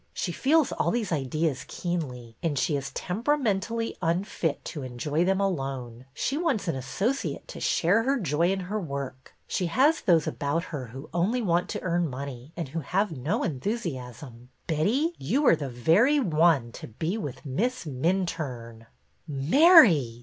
She feels all these ideas keenly, and she is temperamentally unfit to enjoy them alone. She wants an asso ciate to share her joy in her work. She has those about her who only want to earn money and who have no enthusiasm. Betty, you are the very one to be with Miss Minturne !" Mary!"